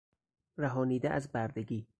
رهانیده از بردگی